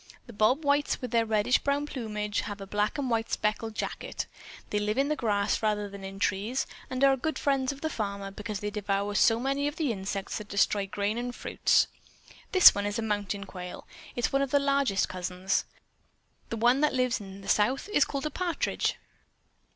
The Bob Whites with their reddish brown plumage have a black and white speckled jacket. They live in the grass rather than in trees and are good friends of the farmer because they devour so many of the insects that destroy grain and fruits. This one is a mountain quail; it is one of the largest cousins. The one that lives in the South is called a partridge."